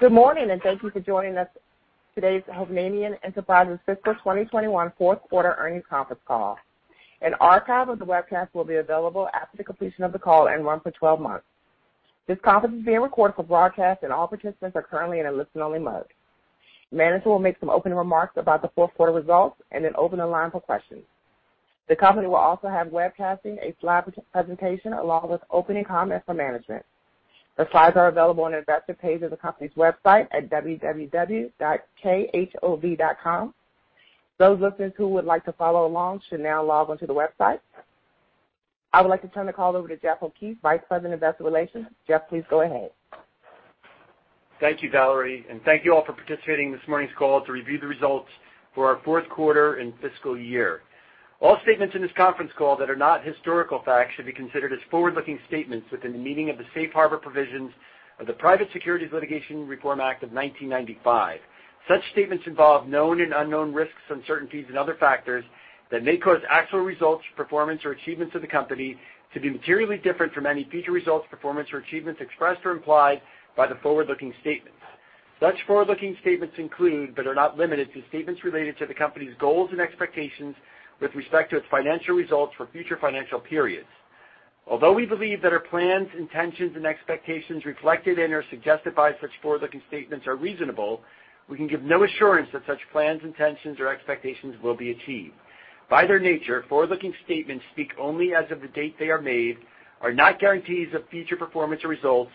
Good morning, and thank you for joining us on today's Hovnanian Enterprises Fiscal 2021 fourth quarter earnings conference call. An archive of the webcast will be available after the completion of the call and run for 12 months. This conference is being recorded for broadcast, and all participants are currently in a listen-only mode. Management will make some opening remarks about the fourth quarter results and then open the line for questions. The company is also webcasting a slide presentation along with opening comments from management. The slides are available on the investor page of the company's website at www.khov.com. Those listeners who would like to follow along should now log on to the website. I would like to turn the call over to Jeff O'Keefe, Vice President, Investor Relations. Jeff, please go ahead. Thank you, Valerie, and thank you all for participating in this morning's call to review the results for our fourth quarter and fiscal year. All statements in this conference call that are not historical facts should be considered as forward-looking statements within the meaning of the Safe Harbor provisions of the Private Securities Litigation Reform Act of 1995. Such statements involve known and unknown risks, uncertainties and other factors that may cause actual results, performance or achievements of the company to be materially different from any future results, performance or achievements expressed or implied by the forward-looking statements. Such forward-looking statements include, but are not limited to, statements related to the company's goals and expectations with respect to its financial results for future financial periods. Although we believe that our plans, intentions and expectations reflected in or suggested by such forward-looking statements are reasonable, we can give no assurance that such plans, intentions or expectations will be achieved. By their nature, forward-looking statements speak only as of the date they are made, are not guarantees of future performance or results,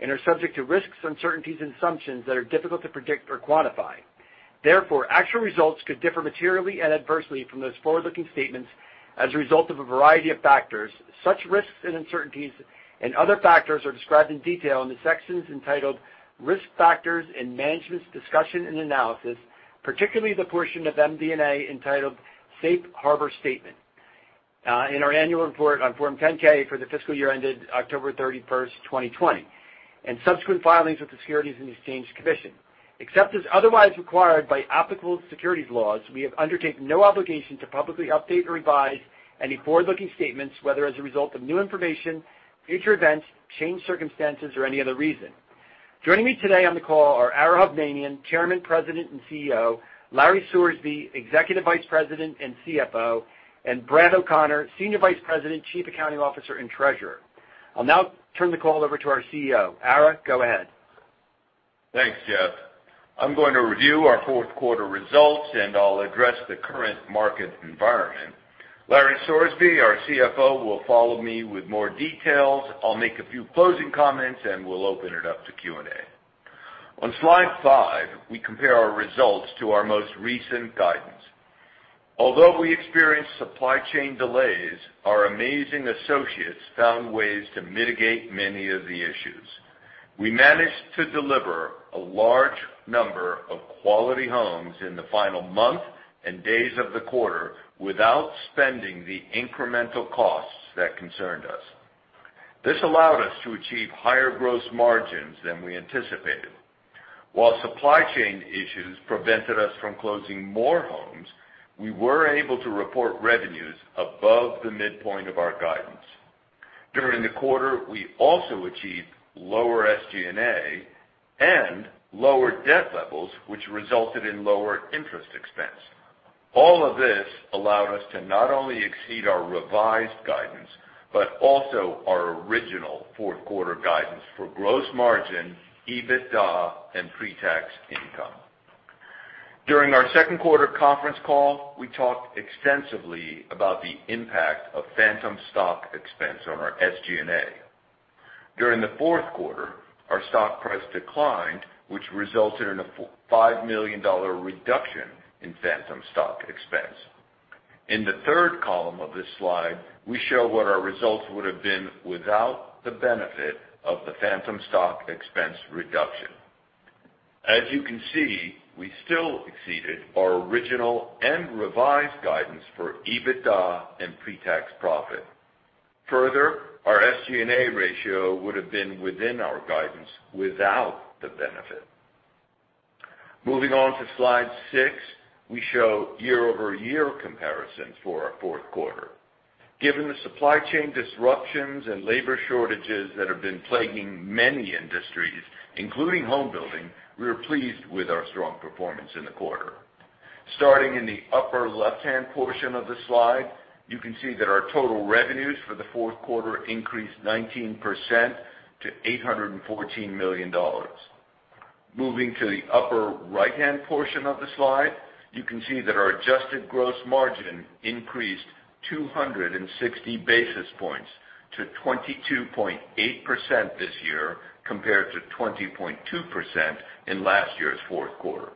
and are subject to risks, uncertainties and assumptions that are difficult to predict or quantify. Therefore, actual results could differ materially and adversely from those forward-looking statements as a result of a variety of factors. Such risks and uncertainties and other factors are described in detail in the sections entitled Risk Factors and Management's Discussion and Analysis, particularly the portion of MD&A entitled Safe Harbor Statement, in our annual report on Form 10-K for the fiscal year ended October 31, 2020, and subsequent filings with the Securities and Exchange Commission. Except as otherwise required by applicable securities laws, we have undertaken no obligation to publicly update or revise any forward-looking statements, whether as a result of new information, future events, changed circumstances, or any other reason. Joining me today on the call are Ara Hovnanian, Chairman, President, and CEO, Larry Sorsby, Executive Vice President and CFO, and Brad O'Connor, Senior Vice President, Chief Accounting Officer and Treasurer. I'll now turn the call over to our CEO. Ara, go ahead. Thanks, Jeff. I'm going to review our fourth quarter results, and I'll address the current market environment. Larry Sorsby, our CFO, will follow me with more details. I'll make a few closing comments, and we'll open it up to Q&A. On slide five, we compare our results to our most recent guidance. Although we experienced supply chain delays, our amazing associates found ways to mitigate many of the issues. We managed to deliver a large number of quality homes in the final month and days of the quarter without spending the incremental costs that concerned us. This allowed us to achieve higher gross margins than we anticipated. While supply chain issues prevented us from closing more homes, we were able to report revenues above the midpoint of our guidance. During the quarter, we also achieved lower SG&A and lower debt levels, which resulted in lower interest expense. All of this allowed us to not only exceed our revised guidance, but also our original fourth quarter guidance for gross margin, EBITDA, and pre-tax income. During our second quarter conference call, we talked extensively about the impact of phantom stock expense on our SG&A. During the fourth quarter, our stock price declined, which resulted in a $5 million reduction in phantom stock expense. In the third column of this slide, we show what our results would have been without the benefit of the phantom stock expense reduction. As you can see, we still exceeded our original and revised guidance for EBITDA and pre-tax profit. Further, our SG&A ratio would have been within our guidance without the benefit. Moving on to slide 6, we show year-over-year comparison for our fourth quarter. Given the supply chain disruptions and labor shortages that have been plaguing many industries, including home building, we are pleased with our strong performance in the quarter. Starting in the upper left-hand portion of the slide, you can see that our total revenues for the fourth quarter increased 19% to $814 million. Moving to the upper right-hand portion of the slide, you can see that our adjusted gross margin increased 260 basis points to 22.8% this year compared to 20.2% in last year's fourth quarter.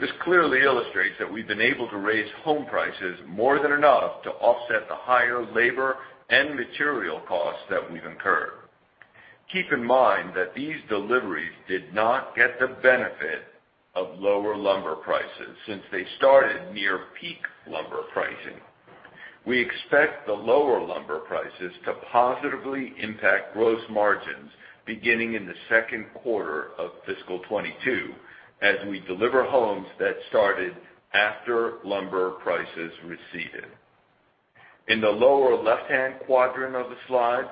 This clearly illustrates that we've been able to raise home prices more than enough to offset the higher labor and material costs that we've incurred. Keep in mind that these deliveries did not get the benefit of lower lumber prices since they started near peak lumber pricing. We expect the lower lumber prices to positively impact gross margins beginning in the second quarter of fiscal 2022 as we deliver homes that started after lumber prices receded. In the lower left-hand quadrant of the slide,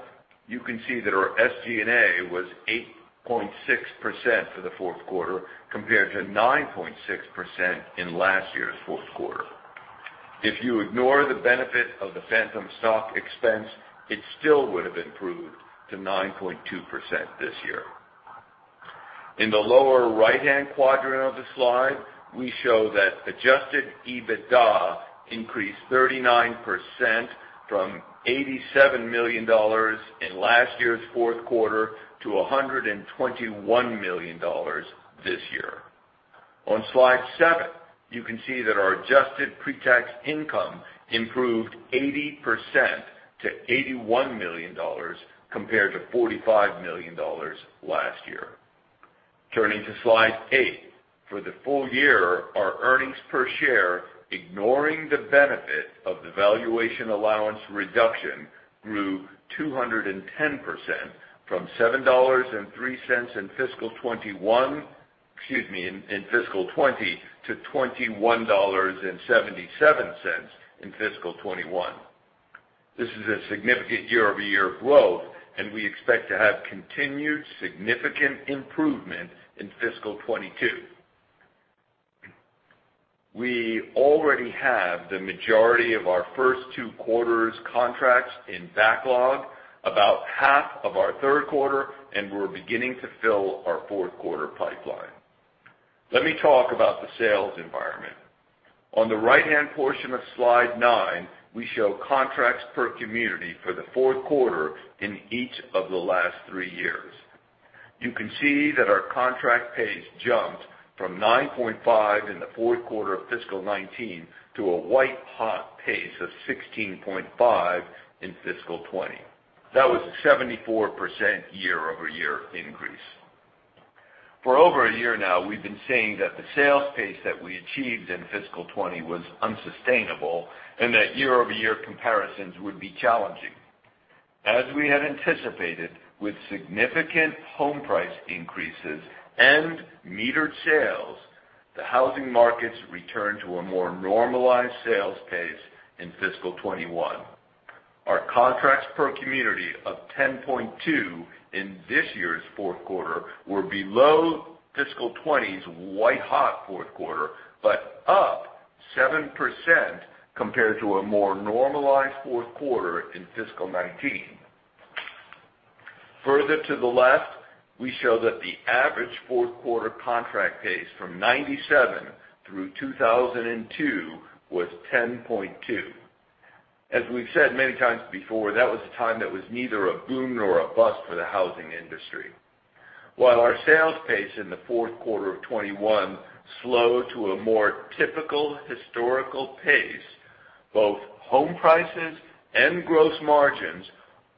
you can see that our SG&A was 8.6% for the fourth quarter compared to 9.6% in last year's fourth quarter. If you ignore the benefit of the phantom stock expense, it still would have improved to 9.2% this year. In the lower right-hand quadrant of the slide, we show that adjusted EBITDA increased 39% from $87 million in last year's fourth quarter to $121 million this year. On slide 7, you can see that our adjusted pre-tax income improved 80% to $81 million compared to $45 million last year. Turning to slide 8. For the full year, our earnings per share, ignoring the benefit of the valuation allowance reduction, grew 210% from $7.03 in fiscal 2020 to $21.77 in fiscal 2021. This is a significant year-over-year growth, and we expect to have continued significant improvement in fiscal 2022. We already have the majority of our first 2Q contracts in backlog, about half of our third quarter, and we're beginning to fill our fourth quarter pipeline. Let me talk about the sales environment. On the right-hand portion of slide nine, we show contracts per community for the fourth quarter in each of the last three-years. You can see that our contract pace jumped from 9.5 in the fourth quarter of fiscal 2019 to a white-hot pace of 16.5 in fiscal 2020. That was a 74% year-over-year increase. For over a year now, we've been saying that the sales pace that we achieved in fiscal 2020 was unsustainable, and that year-over-year comparisons would be challenging. As we had anticipated, with significant home price increases and metered sales, the housing markets returned to a more normalized sales pace in fiscal 2021. Our contracts per community of 10.2 in this year's fourth quarter were below fiscal 2020's white-hot fourth quarter, but up 7% compared to a more normalized fourth quarter in fiscal 2019. Further to the left, we show that the average fourth quarter contract pace from 1997 through 2002 was 10.2. As we've said many times before, that was a time that was neither a boom nor a bust for the housing industry. While our sales pace in the fourth quarter of 2021 slowed to a more typical historical pace, both home prices and gross margins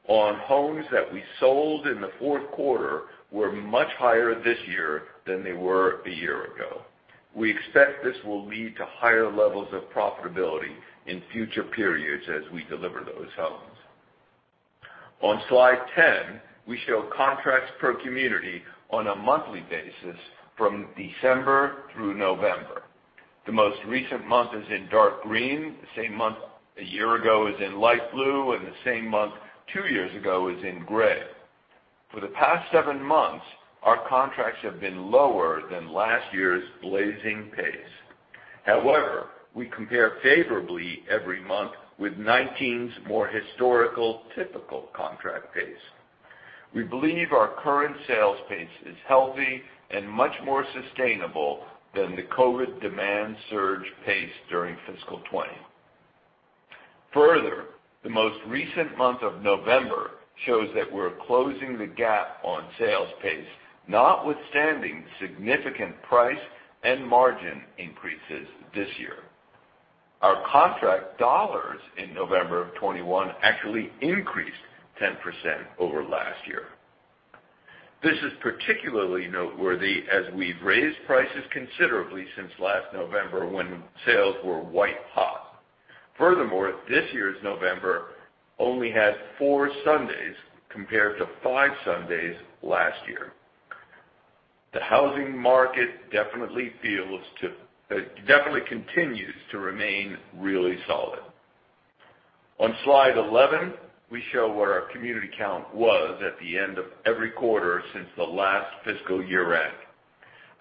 on homes that we sold in the fourth quarter were much higher this year than they were a year ago. We expect this will lead to higher levels of profitability in future periods as we deliver those homes. On slide 10, we show contracts per community on a monthly basis from December through November. The most recent month is in dark green, the same month a year ago is in light blue, and the same month two years ago is in gray. For the past 7 months, our contracts have been lower than last year's blazing pace. However, we compare favorably every month with 2019's more historical typical contract pace. We believe our current sales pace is healthy and much more sustainable than the COVID demand surge pace during fiscal 2020. Further, the most recent month of November shows that we're closing the gap on sales pace, notwithstanding significant price and margin increases this year. Our contract dollars in November 2021 actually increased 10% over last year. This is particularly noteworthy as we've raised prices considerably since last November when sales were white-hot. Furthermore, this year's November only had four Sundays compared to five Sundays last year. The housing market definitely continues to remain really solid. On slide 11, we show where our community count was at the end of every quarter since the last fiscal year-end.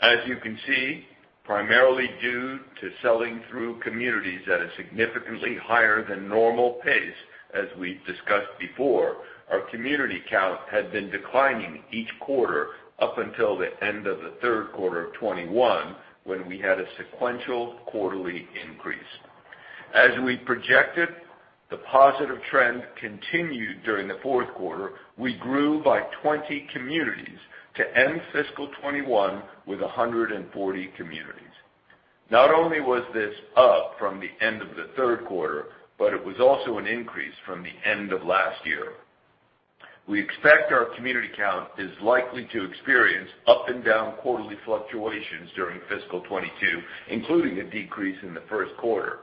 As you can see, primarily due to selling through communities at a significantly higher than normal pace, as we discussed before, our community count had been declining each quarter up until the end of the third quarter of 2021, when we had a sequential quarterly increase. As we projected, the positive trend continued during the fourth quarter. We grew by 20 communities to end fiscal 2021 with 140 communities. Not only was this up from the end of the third quarter, but it was also an increase from the end of last year. We expect our community count is likely to experience up and down quarterly fluctuations during fiscal 2022, including a decrease in the first quarter.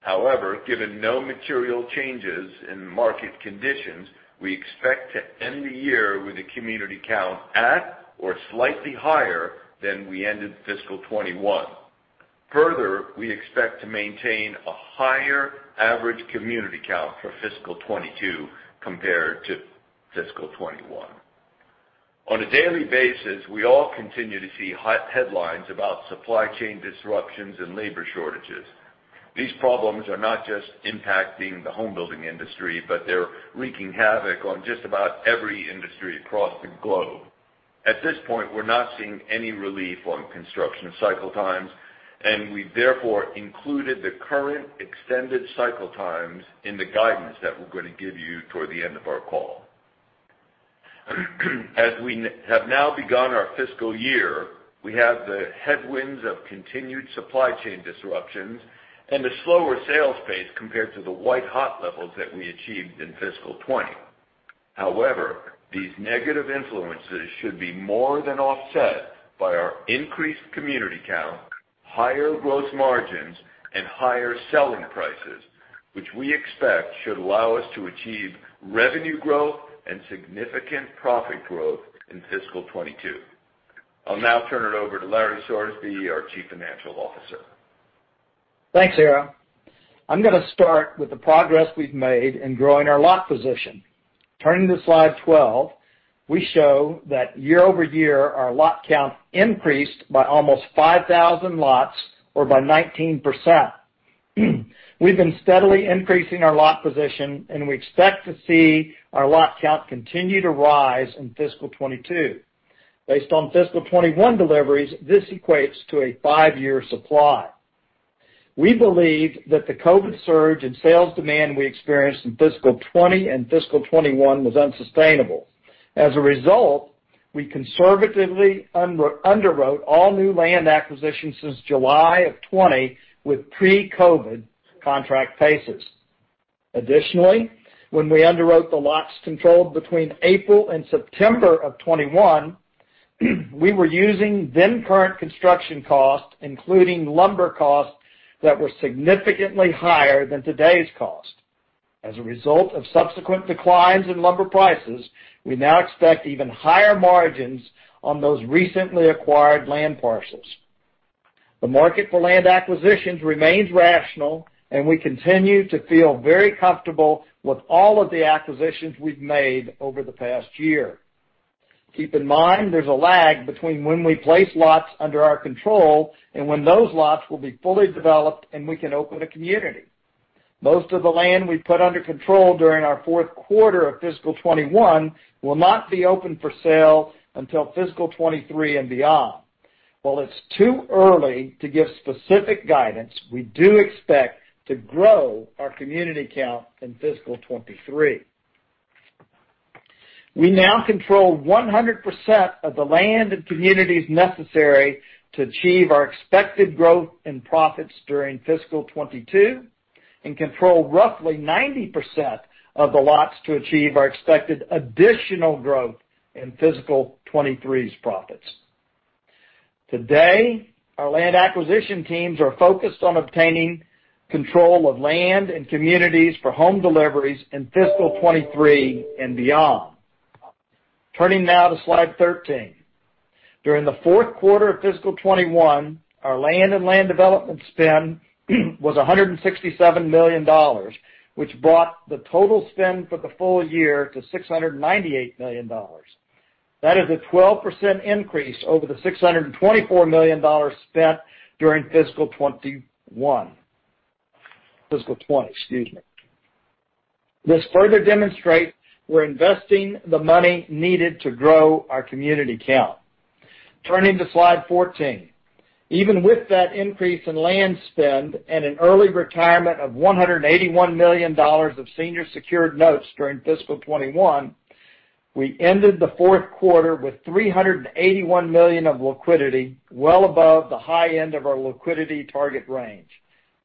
However, given no material changes in market conditions, we expect to end the year with a community count at or slightly higher than we ended fiscal 2021. Further, we expect to maintain a higher average community count for fiscal 2022 compared to fiscal 2021. On a daily basis, we all continue to see hot headlines about supply chain disruptions and labor shortages. These problems are not just impacting the home building industry, but they're wreaking havoc on just about every industry across the globe. At this point, we're not seeing any relief on construction cycle times, and we therefore included the current extended cycle times in the guidance that we're gonna give you toward the end of our call. As we have now begun our fiscal year, we have the headwinds of continued supply chain disruptions and a slower sales pace compared to the white-hot levels that we achieved in fiscal 2021. However, these negative influences should be more than offset by our increased community count, higher gross margins, and higher selling prices, which we expect should allow us to achieve revenue growth and significant profit growth in fiscal 2022. I'll now turn it over to Larry Sorsby, our Chief Financial Officer. Thanks, Ara. I'm gonna start with the progress we've made in growing our lot position. Turning to slide 12, we show that year-over-year, our lot count increased by almost 5,000 lots or by 19%. We've been steadily increasing our lot position, and we expect to see our lot count continue to rise in fiscal 2022. Based on fiscal 2021 deliveries, this equates to a five-year supply. We believe that the COVID surge and sales demand we experienced in fiscal 2020 and fiscal 2021 was unsustainable. As a result, we conservatively underwrote all new land acquisitions since July of 2020 with pre-COVID contract paces. Additionally, when we underwrote the lots controlled between April and September of 2021, we were using then current construction costs, including lumber costs that were significantly higher than today's cost. As a result of subsequent declines in lumber prices, we now expect even higher margins on those recently acquired land parcels. The market for land acquisitions remains rational, and we continue to feel very comfortable with all of the acquisitions we've made over the past year. Keep in mind, there's a lag between when we place lots under our control and when those lots will be fully developed, and we can open a community. Most of the land we put under control during our fourth quarter of fiscal 2021 will not be open for sale until fiscal 2023 and beyond. While it's too early to give specific guidance, we do expect to grow our community count in fiscal 2023. We now control 100% of the land and communities necessary to achieve our expected growth and profits during fiscal 2022 and control roughly 90% of the lots to achieve our expected additional growth in fiscal 2023's profits. Today, our land acquisition teams are focused on obtaining control of land and communities for home deliveries in fiscal 2023 and beyond. Turning now to slide 13. During the fourth quarter of fiscal 2021, our land and land development spend was $167 million, which brought the total spend for the full year to $698 million. That is a 12% increase over the $624 million spent during fiscal 2020. This further demonstrates we're investing the money needed to grow our community count. Turning to slide 14. Even with that increase in land spend and an early retirement of $181 million of senior secured notes during fiscal 2021, we ended the fourth quarter with $381 million of liquidity, well above the high end of our liquidity target range.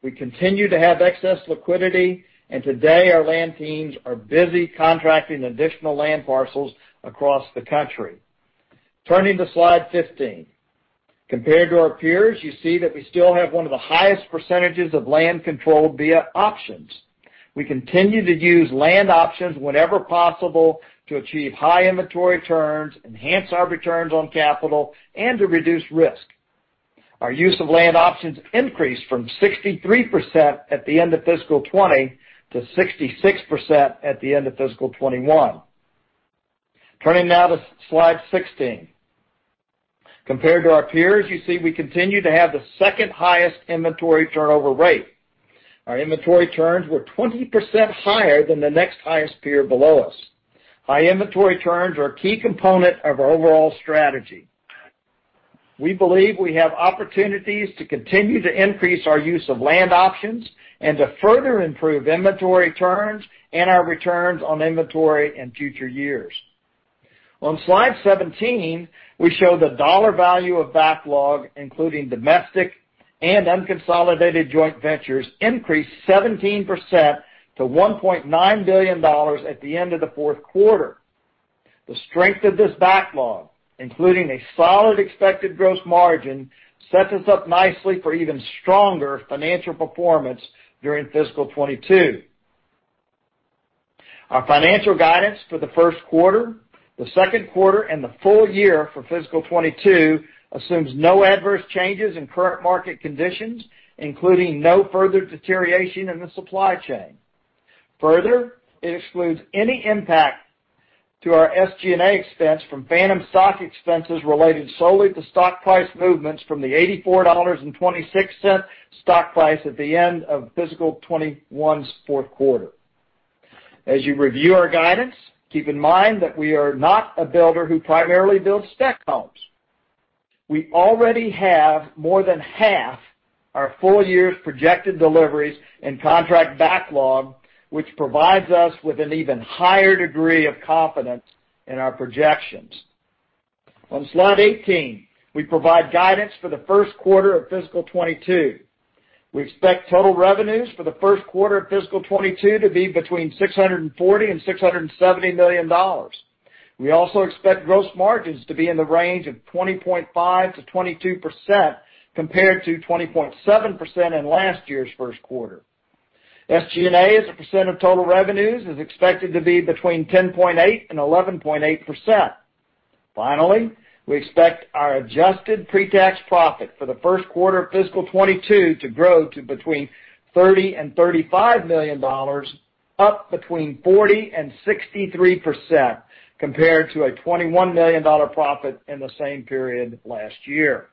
We continue to have excess liquidity, and today, our land teams are busy contracting additional land parcels across the country. Turning to slide 15. Compared to our peers, you see that we still have one of the highest percentages of land controlled via options. We continue to use land options whenever possible to achieve high inventory turns, enhance our returns on capital, and to reduce risk. Our use of land options increased from 63% at the end of fiscal 2020 to 66% at the end of fiscal 2021. Turning now to slide 16. Compared to our peers, you see we continue to have the second highest inventory turnover rate. Our inventory turns were 20% higher than the next highest peer below us. High inventory turns are a key component of our overall strategy. We believe we have opportunities to continue to increase our use of land options and to further improve inventory turns and our returns on inventory in future years. On slide 17, we show the dollar value of backlog, including domestic and unconsolidated joint ventures, increased 17% to $1.9 billion at the end of the fourth quarter. The strength of this backlog, including a solid expected gross margin, sets us up nicely for even stronger financial performance during fiscal 2022. Our financial guidance for the first quarter, the second quarter, and the full year for fiscal 2022 assumes no adverse changes in current market conditions, including no further deterioration in the supply chain. Further, it excludes any impact to our SG&A expense from phantom stock expenses related solely to stock price movements from the $84.26 stock price at the end of fiscal 2021's fourth quarter. As you review our guidance, keep in mind that we are not a builder who primarily builds spec homes. We already have more than half our full year's projected deliveries and contract backlog, which provides us with an even higher degree of confidence in our projections. On slide 18, we provide guidance for the first quarter of fiscal 2022. We expect total revenues for the first quarter of fiscal 2022 to be between $640 million and $670 million. We also expect gross margins to be in the range of 20.5%-22% compared to 20.7% in last year's first quarter. SG&A, as a percent of total revenues, is expected to be between 10.8% and 11.8%. Finally, we expect our adjusted pre-tax profit for the first quarter of fiscal 2022 to grow to between $30 million and $35 million, up 40%-63% compared to a $21 million profit in the same period last year.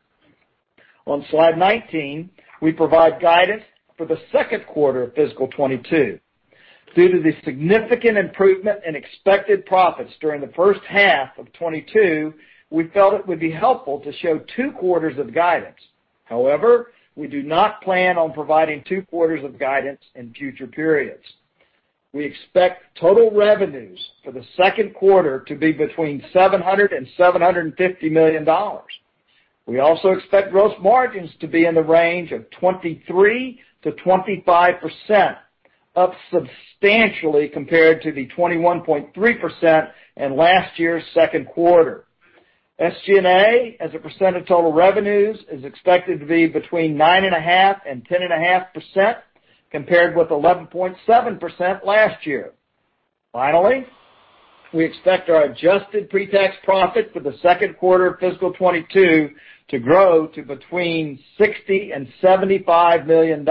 On slide 19, we provide guidance for the second quarter of fiscal 2022. Due to the significant improvement in expected profits during the first half of 2022, we felt it would be helpful to show two quarters of guidance. However, we do not plan on providing two quarters of guidance in future periods. We expect total revenues for the second quarter to be between $700 million and $750 million. We also expect gross margins to be in the range of 23%-25%, up substantially compared to the 21.3% in last year's second quarter. SG&A, as a percent of total revenues, is expected to be between 9.5% and 10.5%, compared with 11.7% last year. Finally, we expect our adjusted pre-tax profit for the second quarter of fiscal 2022 to grow to between $60 million-$75 million,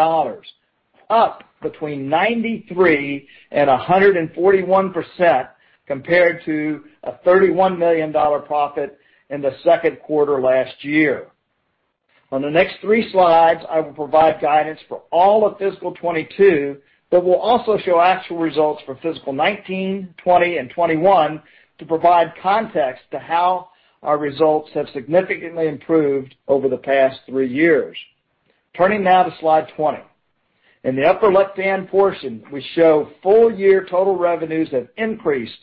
up 93%-141% compared to a $31 million profit in the second quarter last year. On the next three slides, I will provide guidance for all of fiscal 2022 that will also show actual results for fiscal 2019, 2020, and 2021 to provide context to how our results have significantly improved over the past three years. Turning now to slide 20. In the upper left-hand portion, we show full year total revenues have increased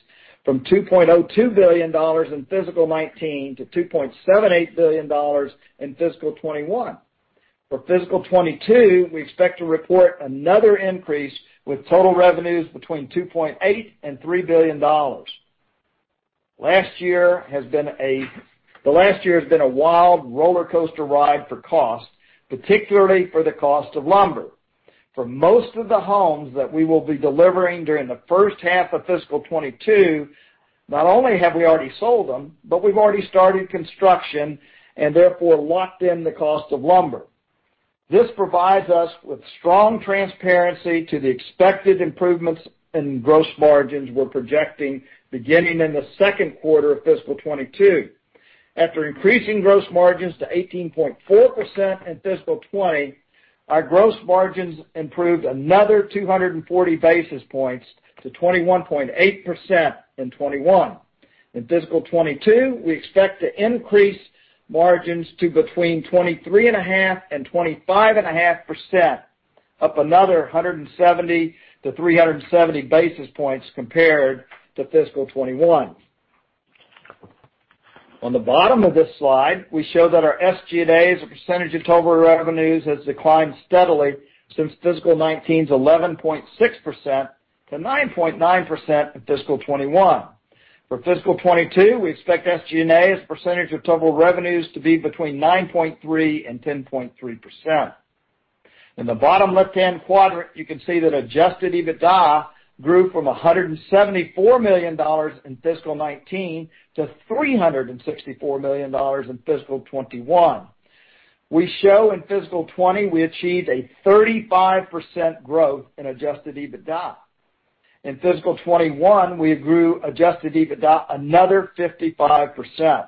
from $2.02 billion in fiscal 2019 to $2.78 billion in fiscal 2021. For fiscal 2022, we expect to report another increase with total revenues between $2.8 billion and $3 billion. The last year has been a wild rollercoaster ride for costs, particularly for the cost of lumber. For most of the homes that we will be delivering during the first half of fiscal 2022, not only have we already sold them, but we've already started construction and therefore locked in the cost of lumber. This provides us with strong transparency to the expected improvements in gross margins we're projecting beginning in the second quarter of fiscal 2022. After increasing gross margins to 18.4% in fiscal 2020, our gross margins improved another 240 basis points to 21.8% in 2021. In fiscal 2022, we expect to increase margins to between 23.5% and 25.5%, up another 170 to 370 basis points compared to fiscal 2021. On the bottom of this slide, we show that our SG&A as a percentage of total revenues has declined steadily since fiscal 2019's 11.6% to 9.9% in fiscal 2021. For fiscal 2022, we expect SG&A as a percentage of total revenues to be between 9.3% and 10.3%. In the bottom left-hand quadrant, you can see that adjusted EBITDA grew from $174 million in fiscal 2019 to $364 million in fiscal 2021. We show in fiscal 2020, we achieved a 35% growth in adjusted EBITDA. In fiscal 2021, we grew adjusted EBITDA another 55%.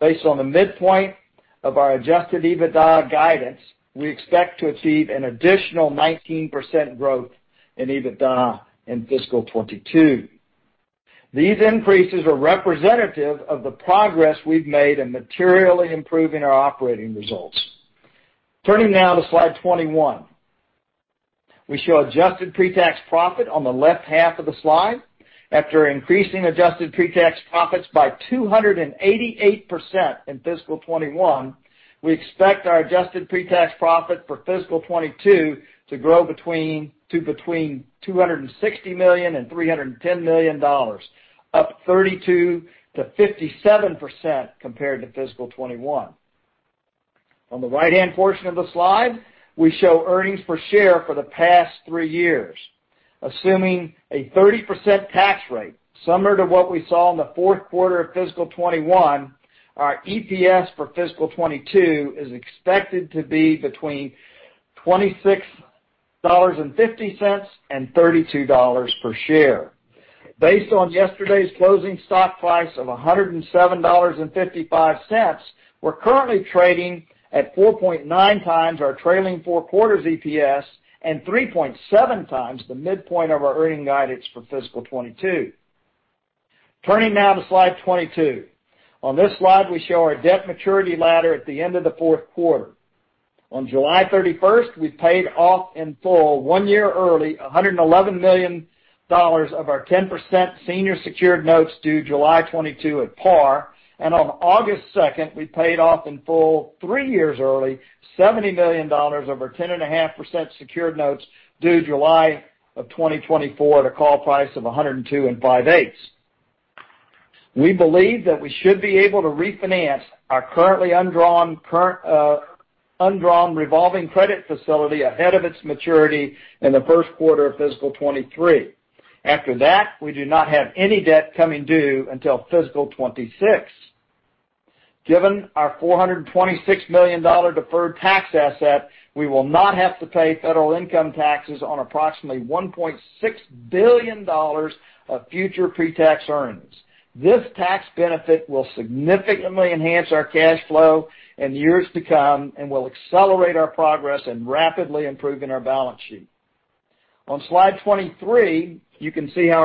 Based on the midpoint of our adjusted EBITDA guidance, we expect to achieve an additional 19% growth in EBITDA in fiscal 2022. These increases are representative of the progress we've made in materially improving our operating results. Turning now to slide 21. We show adjusted pre-tax profit on the left half of the slide. After increasing adjusted pre-tax profits by 288% in fiscal 2021, we expect our adjusted pre-tax profit for fiscal 2022 to grow between $260 million and $310 million, up 32%-57% compared to fiscal 2021. On the right-hand portion of the slide, we show earnings per share for the past 3 years. Assuming a 30% tax rate, similar to what we saw in the fourth quarter of fiscal 2021, our EPS for fiscal 2022 is expected to be between $26.50 and $32 per share. Based on yesterday's closing stock price of $107.55, we're currently trading at 4.9 times our trailing four quarters EPS and 3.7 times the midpoint of our earnings guidance for fiscal 2022. Turning now to slide 22. On this slide, we show our debt maturity ladder at the end of the fourth quarter. On July 31, we paid off in full, 1 year early, $111 million of our 10% senior secured notes due July 2022 at par. On August 2, we paid off in full, 3 years early, $70 million of our 10.5% secured notes due July 2024 at a call price of 102 5/8. We believe that we should be able to refinance our currently undrawn revolving credit facility ahead of its maturity in the first quarter of fiscal 2023. After that, we do not have any debt coming due until fiscal 2026. Given our $426 million deferred tax asset, we will not have to pay federal income taxes on approximately $1.6 billion of future pre-tax earnings. This tax benefit will significantly enhance our cash flow in years to come and will accelerate our progress in rapidly improving our balance sheet. On slide 23, you can see how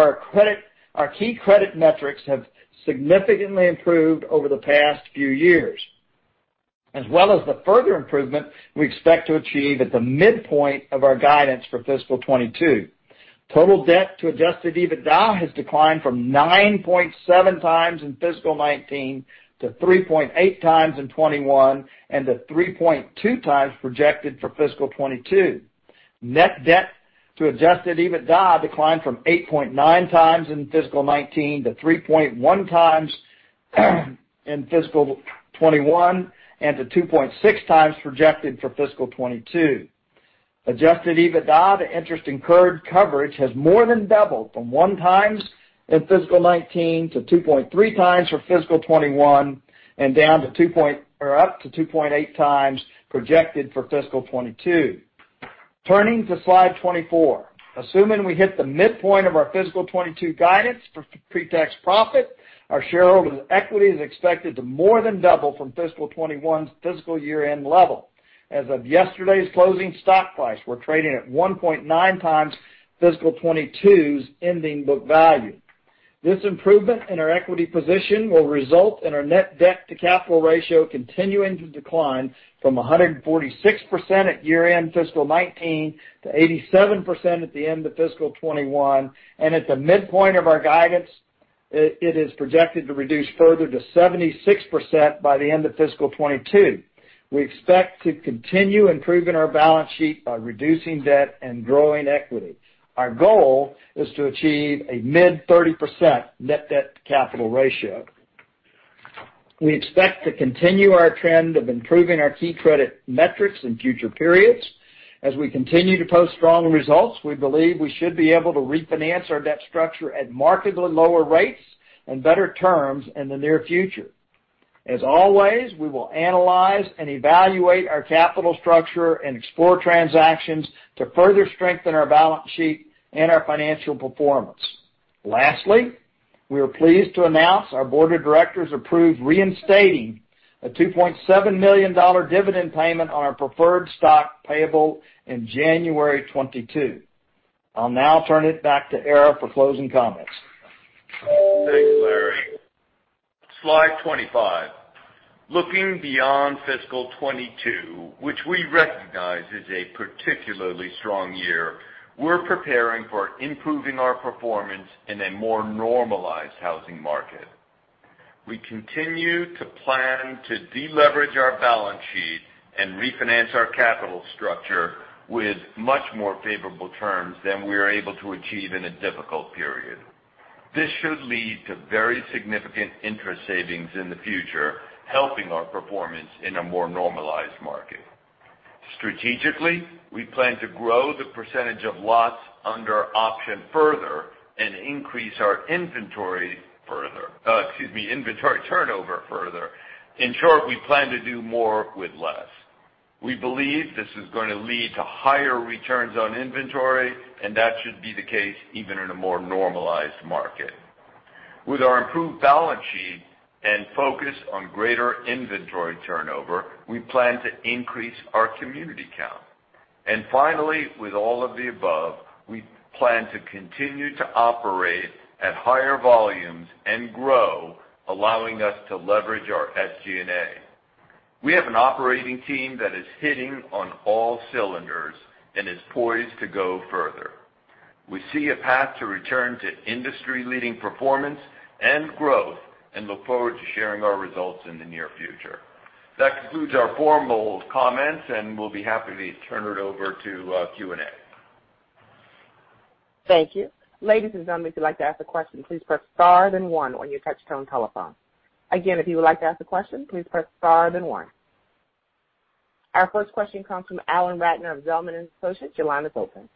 our key credit metrics have significantly improved over the past few years, as well as the further improvement we expect to achieve at the midpoint of our guidance for fiscal 2022. Total debt to adjusted EBITDA has declined from 9.7 times in fiscal 2019 to 3.8 times in 2021 and to 3.2 times projected for fiscal 2022. Net debt to adjusted EBITDA declined from 8.9 times in fiscal 2019 to 3.1 times in fiscal 2021, and to 2.6 times projected for fiscal 2022. Adjusted EBITDA to interest incurred coverage has more than doubled from 1x in fiscal 2019 to 2.3x for fiscal 2021, and up to 2.8xprojected for fiscal 2022. Turning to slide 24. Assuming we hit the midpoint of our fiscal 2022 guidance for pre-tax profit, our shareholder equity is expected to more than double from fiscal 2021's fiscal year-end level. As of yesterday's closing stock price, we're trading at 1.9x fiscal 2022's ending book value. This improvement in our equity position will result in our net debt-to-capital ratio continuing to decline from 146% at year-end fiscal 2019 to 87% at the end of fiscal 2021. At the midpoint of our guidance, it is projected to reduce further to 76% by the end of fiscal 2022. We expect to continue improving our balance sheet by reducing debt and growing equity. Our goal is to achieve a mid-30% net debt-to-capital ratio. We expect to continue our trend of improving our key credit metrics in future periods. As we continue to post strong results, we believe we should be able to refinance our debt structure at markedly lower rates and better terms in the near future. As always, we will analyze and evaluate our capital structure and explore transactions to further strengthen our balance sheet and our financial performance. Lastly, we are pleased to announce our board of directors approved reinstating a $2.7 million dividend payment on our preferred stock payable in January 2022. I'll now turn it back to Ara for closing comments. Thanks, Larry. Slide 25. Looking beyond fiscal 2022, which we recognize is a particularly strong year, we're preparing for improving our performance in a more normalized housing market. We continue to plan to deleverage our balance sheet and refinance our capital structure with much more favorable terms than we are able to achieve in a difficult period. This should lead to very significant interest savings in the future, helping our performance in a more normalized market. Strategically, we plan to grow the percentage of lots under option further and increase our inventory turnover further. In short, we plan to do more with less. We believe this is gonna lead to higher returns on inventory, and that should be the case even in a more normalized market. With our improved balance sheet and focus on greater inventory turnover, we plan to increase our community count. Finally, with all of the above, we plan to continue to operate at higher volumes and grow, allowing us to leverage our SG&A. We have an operating team that is hitting on all cylinders and is poised to go further. We see a path to return to industry-leading performance and growth and look forward to sharing our results in the near future. That concludes our formal comments, and we'll be happy to turn it over to Q&A. Thank you. Ladies and gentlemen, if you'd like to ask a question, please press star then one on your touchtone telephone. Again, if you would like to ask a question, please press star then one. Our first question comes from Alan Ratner of Zelman & Associates. Your line is open.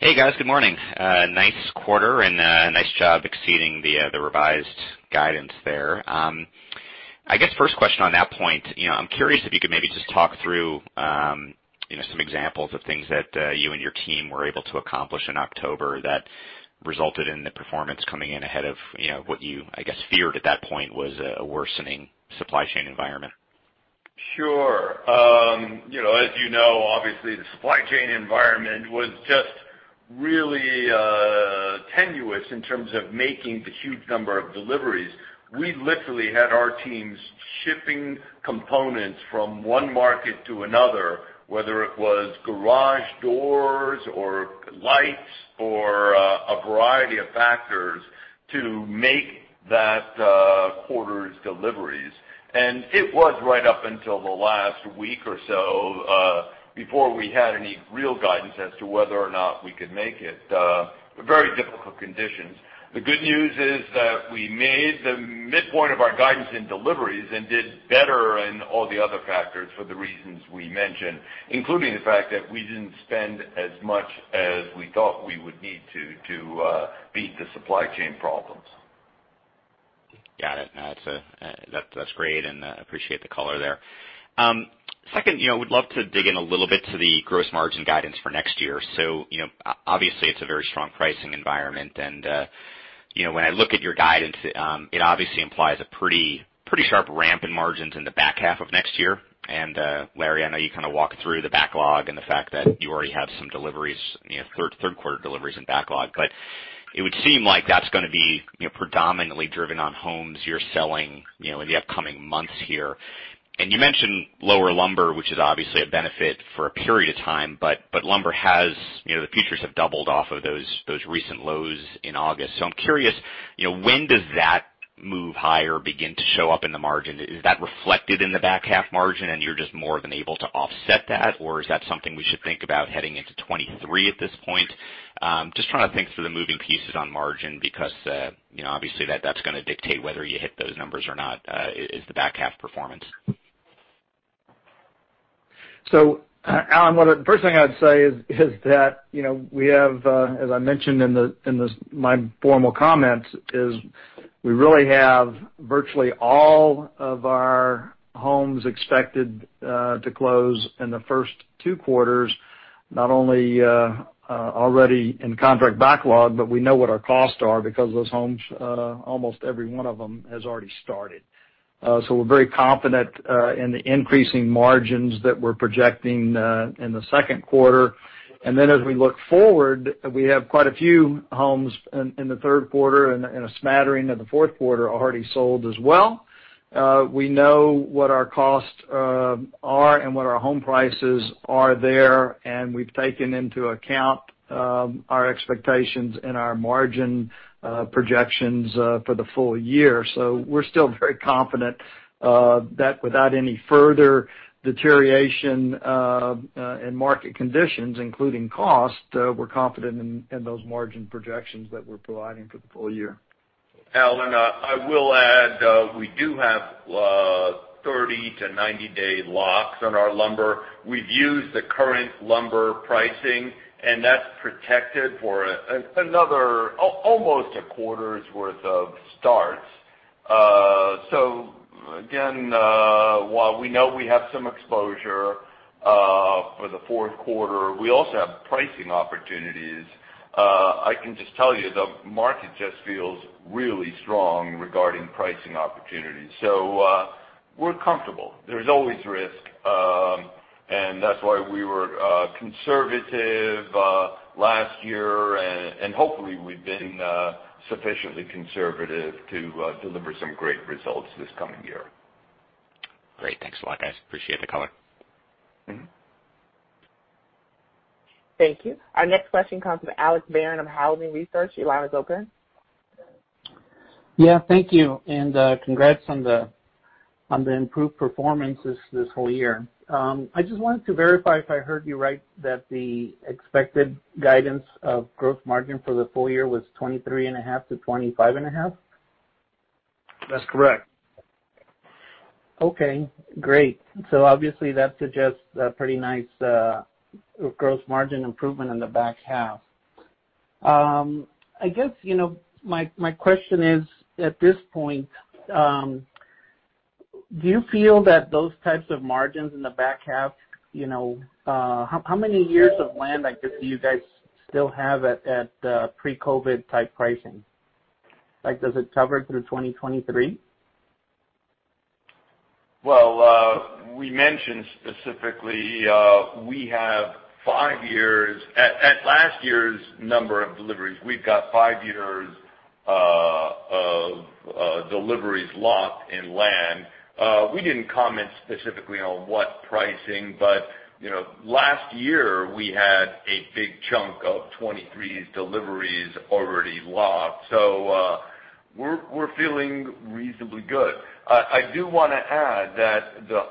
Hey, guys. Good morning. Nice quarter and nice job exceeding the revised guidance there. I guess first question on that point, you know, I'm curious if you could maybe just talk through, you know, some examples of things that you and your team were able to accomplish in October that resulted in the performance coming in ahead of, you know, what you, I guess, feared at that point was a worsening supply chain environment? Sure. You know, as you know, obviously, the supply chain environment was just really tenuous in terms of making the huge number of deliveries. We literally had our teams shipping components from one market to another, whether it was garage doors or lights or a variety of factors to make that quarter's deliveries. It was right up until the last week or so before we had any real guidance as to whether or not we could make it. Very difficult conditions. The good news is that we made the midpoint of our guidance in deliveries and did better in all the other factors for the reasons we mentioned, including the fact that we didn't spend as much as we thought we would need to to beat the supply chain problems. Got it. No, that's great, and appreciate the color there. Second, you know, would love to dig in a little bit to the gross margin guidance for next year. You know, obviously, it's a very strong pricing environment, and you know, when I look at your guidance, it obviously implies a pretty sharp ramp in margins in the back half of next year. Larry, I know you kinda walked through the backlog and the fact that you already have some deliveries, you know, third quarter deliveries in backlog. It would seem like that's gonna be, you know, predominantly driven on homes you're selling, you know, in the upcoming months here. You mentioned lower lumber, which is obviously a benefit for a period of time, but lumber has, you know, the futures have doubled off of those recent lows in August. I'm curious, you know, when does that move higher begin to show up in the margin? Is that reflected in the back half margin, and you're just more than able to offset that? Is that something we should think about heading into 2023 at this point? Just trying to think through the moving pieces on margin because, you know, obviously, that's gonna dictate whether you hit those numbers or not, is the back half performance. Alan, well, the first thing I'd say is that, you know, we have, as I mentioned in my formal comments, we really have virtually all of our homes expected to close in the first two quarters, not only already in contract backlog, but we know what our costs are because those homes almost every one of them has already started. We're very confident in the increasing margins that we're projecting in the second quarter. Then as we look forward, we have quite a few homes in the third quarter and a smattering of the fourth quarter already sold as well. We know what our costs are and what our home prices are there, and we've taken into account our expectations and our margin projections for the full year. We're still very confident that without any further deterioration in market conditions, including cost, we're confident in those margin projections that we're providing for the full year. Alan, I will add, we do have 30- to 90-day locks on our lumber. We've used the current lumber pricing, and that's protected for almost a quarter's worth of starts. Again, while we know we have some exposure for the fourth quarter, we also have pricing opportunities. I can just tell you, the market just feels really strong regarding pricing opportunities. We're comfortable. There's always risk, and that's why we were conservative last year. Hopefully we've been sufficiently conservative to deliver some great results this coming year. Great. Thanks a lot, guys. Appreciate the color. Mm-hmm. Thank you. Our next question comes from Alex Barron of Housing Research. Your line is open. Yeah. Thank you, and congrats on the improved performance this whole year. I just wanted to verify if I heard you right, that the expected guidance of gross margin for the full year was 23.5%-25.5%? That's correct. Okay, great. Obviously, that suggests a pretty nice growth margin improvement in the back half. I guess, you know, my question is, at this point, do you feel that those types of margins in the back half, you know, how many years of land, like, do you guys still have at pre-COVID type pricing? Like, does it cover through 2023? Well, we mentioned specifically we have five years. At last year's number of deliveries, we've got five years of deliveries locked in land. We didn't comment specifically on what pricing, but you know, last year we had a big chunk of 2023's deliveries already locked. We're feeling reasonably good. I do wanna add that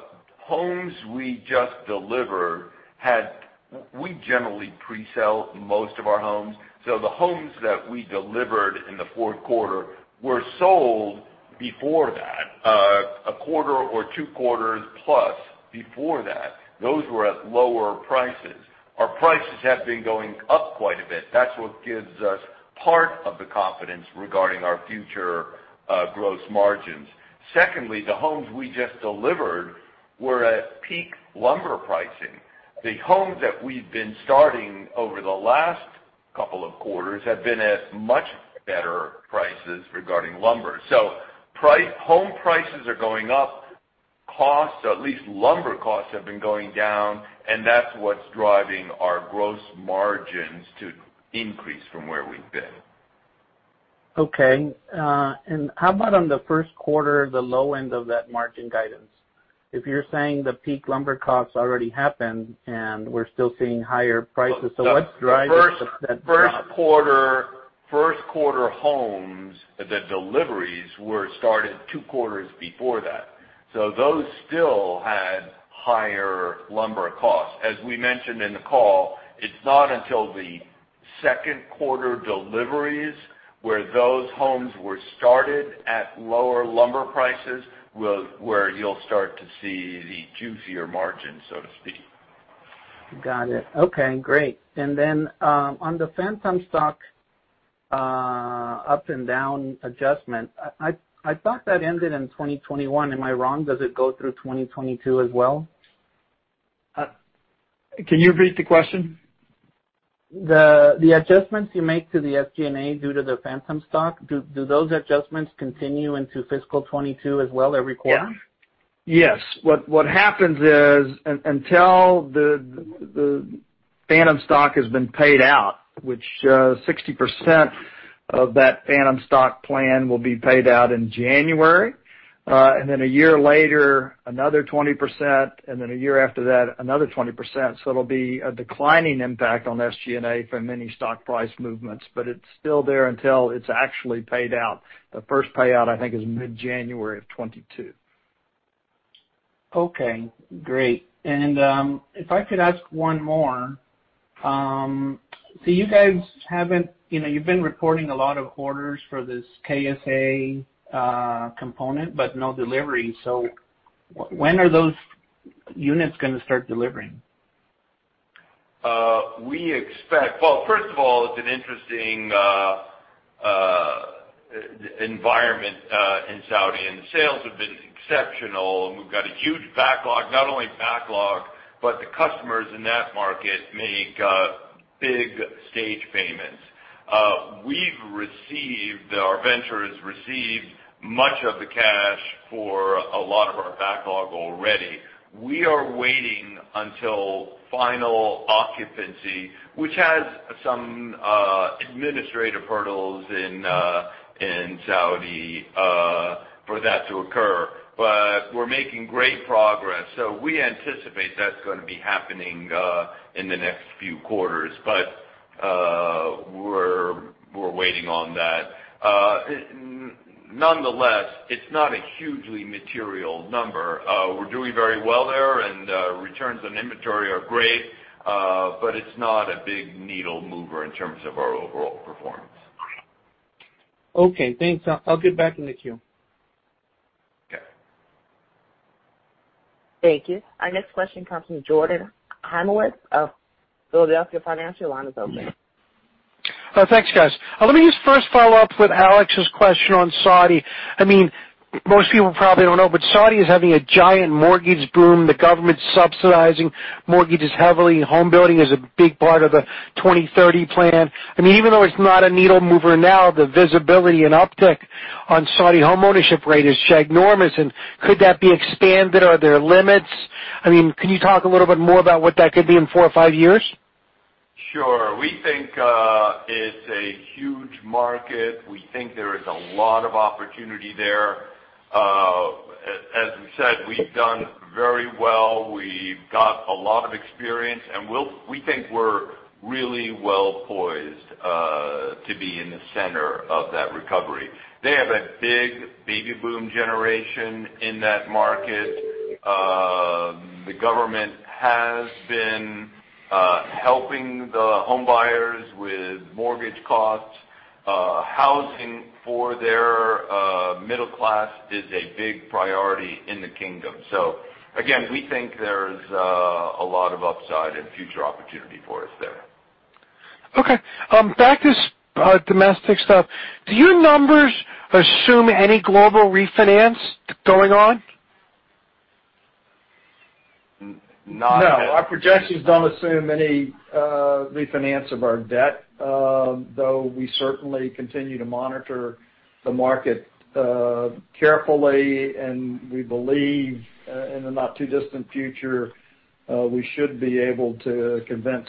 we generally pre-sell most of our homes. The homes that we delivered in the fourth quarter were sold before that, a quarter or two quarters plus before that. Those were at lower prices. Our prices have been going up quite a bit. That's what gives us part of the confidence regarding our future gross margins. Secondly, the homes we just delivered were at peak lumber pricing. The homes that we've been starting over the last couple of quarters have been at much better prices regarding lumber. Price, home prices are going up, costs, at least lumber costs, have been going down, and that's what's driving our gross margins to increase from where we've been. Okay. How about on the first quarter, the low end of that margin guidance? If you're saying the peak lumber costs already happened and we're still seeing higher prices, so what's driving that drop? First quarter homes, the deliveries were started two quarters before that. Those still had higher lumber costs. As we mentioned in the call, it's not until the second quarter deliveries, where those homes were started at lower lumber prices, where you'll start to see the juicier margin, so to speak. Got it. Okay, great. On the phantom stock up and down adjustment, I thought that ended in 2021. Am I wrong? Does it go through 2022 as well? Can you repeat the question? The adjustments you make to the SG&A due to the phantom stock, do those adjustments continue into fiscal 2022 as well every quarter? Yeah. Yes. What happens is, until the phantom stock has been paid out, which 60% of that phantom stock plan will be paid out in January, and then a year later, another 20%, and then a year after that, another 20%. It'll be a declining impact on SG&A from any stock price movements, but it's still there until it's actually paid out. The first payout, I think, is mid-January 2022. Okay, great. If I could ask one more. You guys haven't, you know, you've been reporting a lot of orders for this KSA component, but no delivery. When are those units gonna start delivering? We expect. Well, first of all, it's an interesting environment in Saudi, and the sales have been exceptional. We've got a huge backlog. Not only backlog, but the customers in that market make big stage payments. We've received, our venture has received much of the cash for a lot of our backlog already. We are waiting until final occupancy, which has some administrative hurdles in Saudi for that to occur. We're making great progress. We anticipate that's gonna be happening in the next few quarters, but we're waiting on that. Nonetheless, it's not a hugely material number. We're doing very well there and returns on inventory are great, but it's not a big needle mover in terms of our overall performance. Okay, thanks. I'll get back in the queue. Okay. Thank you. Our next question comes from Jordan Hymowitz of Philadelphia Financial. Your line is open. Thanks, guys. Let me just first follow up with Alex's question on Saudi. I mean, most people probably don't know, but Saudi is having a giant mortgage boom. The government's subsidizing mortgages heavily. Home building is a big part of the 2030 plan. I mean, even though it's not a needle mover now, the visibility and uptick on Saudi homeownership rate is ginormous. Could that be expanded? Are there limits? I mean, can you talk a little bit more about what that could be in four or five years? Sure. We think it's a huge market. We think there is a lot of opportunity there. As we said, we've done very well. We've got a lot of experience, and we think we're really well poised to be in the center of that recovery. They have a big baby boom generation in that market. The government has been helping the homebuyers with mortgage costs. Housing for their middle class is a big priority in the kingdom. Again, we think there's a lot of upside and future opportunity for us there. Okay. Back to domestic stuff. Do your numbers assume any global refinance going on? Not at- No, our projections don't assume any refinance of our debt, though we certainly continue to monitor the market carefully. We believe in the not too distant future we should be able to convince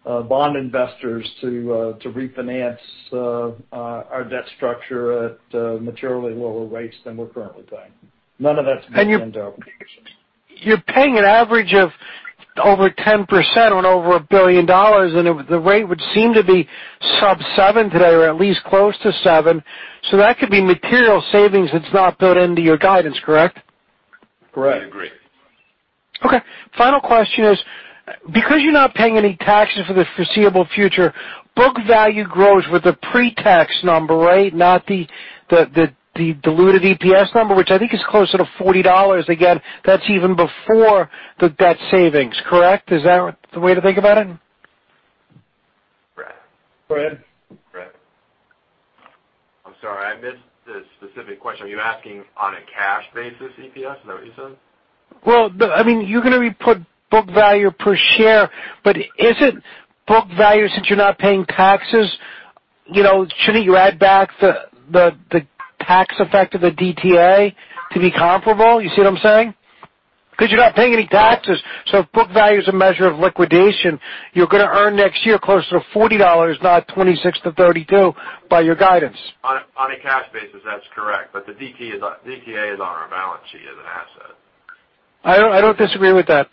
bond investors to refinance our debt structure at materially lower rates than we're currently paying. None of that's been done though. You're paying an average of over 10% on over $1 billion, and the rate would seem to be sub 7 today, or at least close to 7. That could be material savings that's not built into your guidance, correct? Correct. I agree. Okay. Final question is, because you're not paying any taxes for the foreseeable future, book value grows with the pre-tax number, right? Not the diluted EPS number, which I think is closer to $40. Again, that's even before the debt savings, correct? Is that the way to think about it? Brad. Brad. Brad, I'm sorry, I missed the specific question. Are you asking on a cash basis EPS? Is that what you said? Well, I mean, you're gonna report book value per share, but isn't book value, since you're not paying taxes, you know, shouldn't you add back the tax effect of the DTA to be comparable? You see what I'm saying? Because you're not paying any taxes, so if book value is a measure of liquidation, you're gonna earn next year closer to $40, not $26-$32 by your guidance. On a cash basis, that's correct, but the DTA is on our balance sheet as an asset. I don't disagree with that.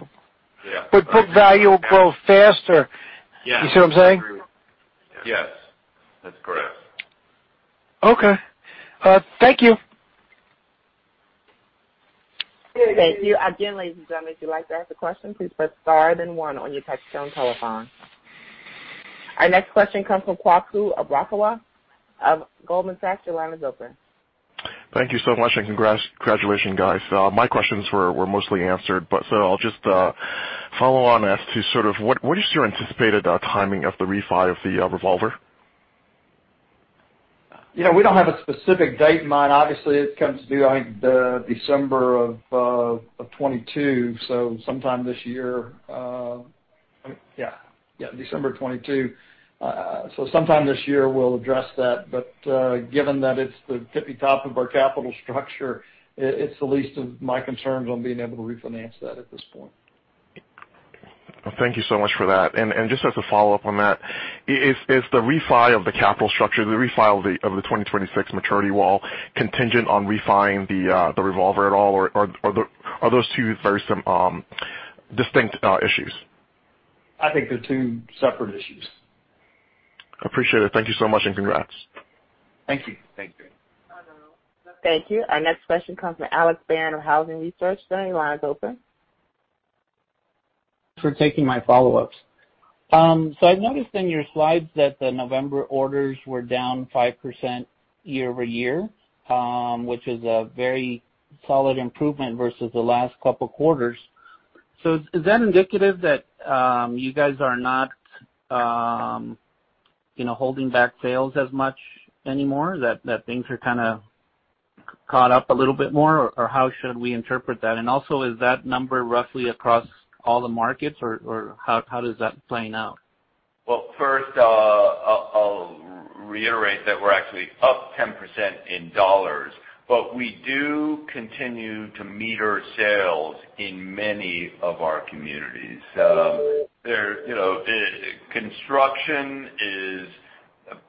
Yeah. Book value will grow faster. Yeah. You see what I'm saying? Yes. That's correct. Okay. Thank you. Thank you. Again, ladies and gentlemen, if you'd like to ask a question, please press star then one on your touchtone telephone. Our next question comes from Kwaku Abrokwah of Goldman Sachs. Your line is open. Thank you so much, and congrats. Congratulations, guys. My questions were mostly answered, but so I'll just follow on as to sort of what is your anticipated timing of the refi of the revolver? Yeah. We don't have a specific date in mind. Obviously, it comes due, I think, December of 2022, so sometime this year. Yeah, December of 2022. So sometime this year we'll address that. Given that it's the tippy top of our capital structure, it's the least of my concerns on being able to refinance that at this point. Thank you so much for that. Just as a follow-up on that, is the refi of the capital structure, the refi of the 2026 maturity wall contingent on refi-ing the revolver at all or are those two very distinct issues? I think they're two separate issues. Appreciate it. Thank you so much, and congrats. Thank you. Thank you. Thank you. Our next question comes from Alex Barron of Housing Research. Sir, your line is open. for taking my follow-ups. So I've noticed in your slides that the November orders were down 5% year-over-year, which is a very solid improvement versus the last couple quarters. Is that indicative that you guys are not, you know, holding back sales as much anymore, that things are kinda caught up a little bit more, or how should we interpret that? Also, is that number roughly across all the markets or how does that play out? Well, first, I'll reiterate that we're actually up 10% in dollars, but we do continue to meter sales in many of our communities. You know, construction is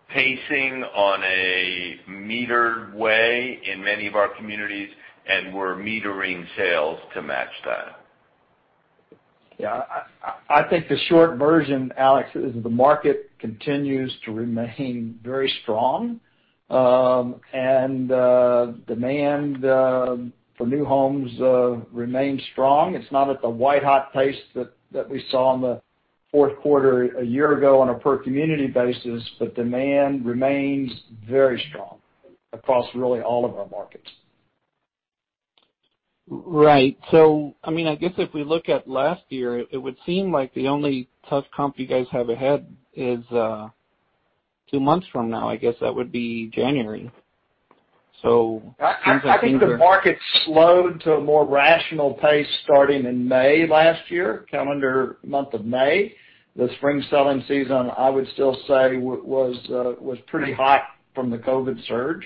pacing on a metered way in many of our communities, and we're metering sales to match that. Yeah. I think the short version, Alex, is the market continues to remain very strong, and demand for new homes remains strong. It's not at the white-hot pace that we saw in the fourth quarter a year ago on a per community basis, but demand remains very strong across really all of our markets. Right. I mean, I guess if we look at last year, it would seem like the only tough comp you guys have ahead is, two months from now. I guess that would be January. I think the market slowed to a more rational pace starting in May last year, calendar month of May. The spring selling season, I would still say was pretty hot from the COVID surge.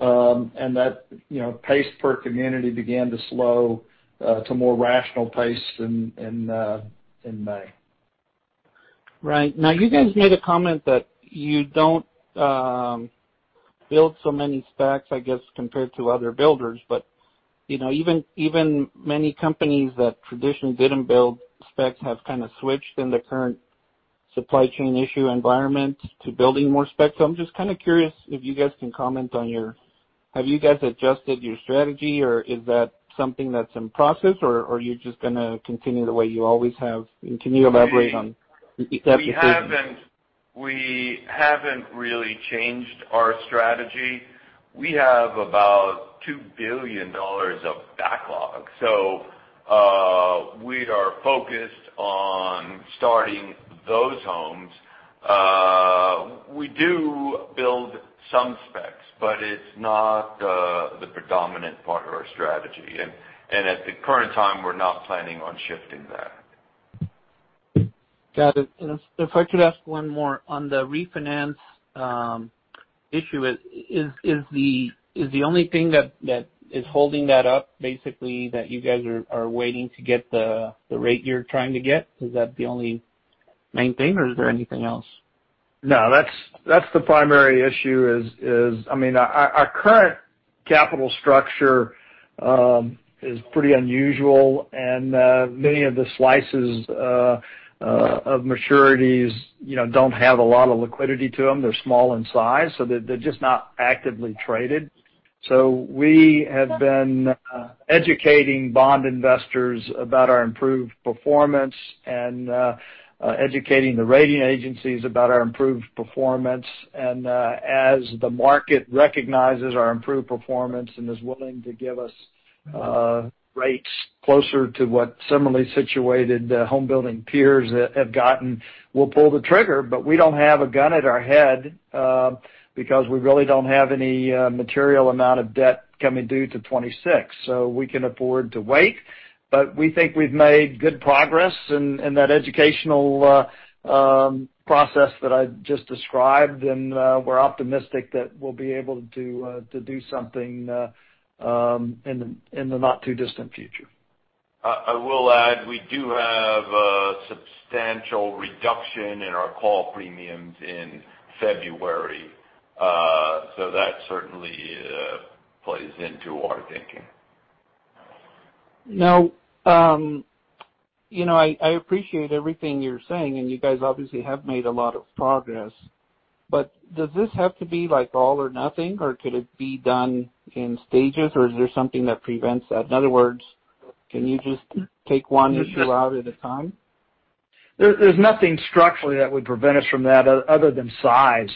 That, you know, pace per community began to slow to more rational pace in May. Right. Now, you guys made a comment that you don't build so many specs, I guess, compared to other builders. You know, even many companies that traditionally didn't build specs have kind of switched in the current supply chain issue environment to building more specs. I'm just kind of curious if you guys can comment on your strategy. Have you guys adjusted your strategy, or is that something that's in process, or you're just gonna continue the way you always have? Can you elaborate on the decision? We haven't really changed our strategy. We have about $2 billion of backlog, so we are focused on starting those homes. We do build some specs, but it's not the predominant part of our strategy. At the current time, we're not planning on shifting that. Got it. If I could ask one more on the refinance issue. Is the only thing that is holding that up basically that you guys are waiting to get the rate you're trying to get? Is that the only main thing, or is there anything else? No, that's the primary issue is, I mean, our current capital structure is pretty unusual and many of the slices of maturities, you know, don't have a lot of liquidity to them. They're small in size, so they're just not actively traded. We have been educating bond investors about our improved performance and educating the rating agencies about our improved performance. As the market recognizes our improved performance and is willing to give us rates closer to what similarly situated home building peers have gotten, we'll pull the trigger. We don't have a gun at our head because we really don't have any material amount of debt coming due till 2026. We can afford to wait, but we think we've made good progress in that educational process that I just described. We're optimistic that we'll be able to do something in the not too distant future. I will add, we do have a substantial reduction in our call premiums in February. That certainly plays into our thinking. Now, you know, I appreciate everything you're saying, and you guys obviously have made a lot of progress. Does this have to be like all or nothing or could it be done in stages or is there something that prevents that? In other words, can you just take one issue out at a time? There's nothing structurally that would prevent us from that other than size.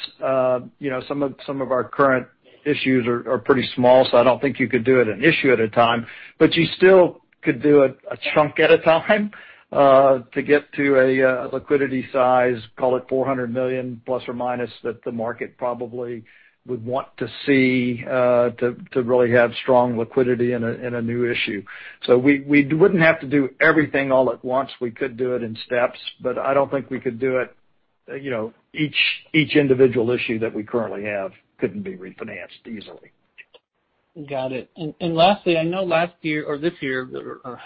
You know, some of our current issues are pretty small, so I don't think you could do it an issue at a time. You still could do it a chunk at a time, to get to a liquidity size, call it $400 million ± that the market probably would want to see, to really have strong liquidity in a new issue. We wouldn't have to do everything all at once. We could do it in steps, but I don't think we could do it, you know, each individual issue that we currently have couldn't be refinanced easily. Got it. Lastly, I know last year or this year, or